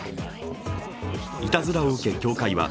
いたずらを受け協会は